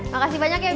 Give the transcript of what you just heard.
makasih banyak ya bibi